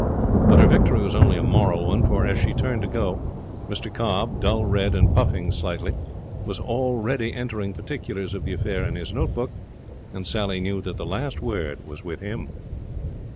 But her victory was only a moral one, for as she turned to go Mr Cobb, dull red and puffing slightly, was already entering particulars of the affair in his note book, and Sally knew that the last word was with him.